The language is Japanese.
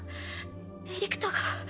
エリクトが。